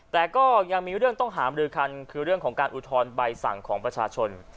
แต่ก็ยังมีเรื่องต้องหามรือคันคือเรื่องของการอุทธรณ์ใบสั่งของประชาชน